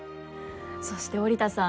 そして織田さん